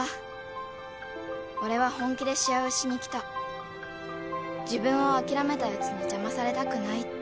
「俺は本気で試合をしに来た」「自分を諦めたやつに邪魔されたくない」って。